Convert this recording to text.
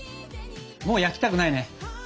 もう焼きたくないね。